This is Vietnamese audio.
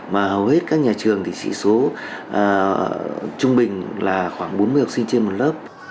mà hầu hết các nhà trường thì chỉ số trung bình là khoảng bốn mươi học sinh trên một lớp